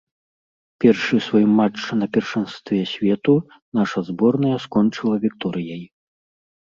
Першы свой матч на першынстве свету наша зборная скончыла вікторыяй.